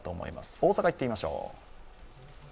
大阪にいってみましょう。